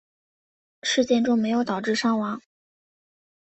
事件中没有导致伤亡。